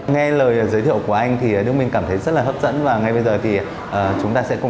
nghe lời giới thiệu của anh thì đức minh cảm thấy rất là hấp dẫn và ngay bây giờ thì chúng ta sẽ cùng